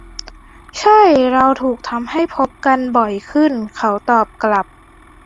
ใช่ เราถูกทำให้พบกันบ่อยขึ้น เขาตอบกลับ